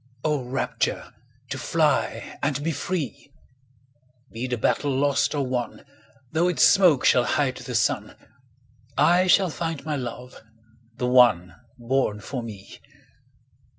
O rapture, to fly And be free! Be the battle lost or won, 5 Though its smoke shall hide the sun, I shall find my love—the one Born for me!